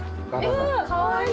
かわいい！